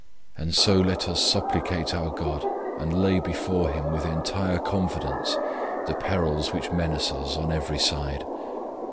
And so let us supplicate our God, and lay before Him with entire confidence the perils which menace us on every side.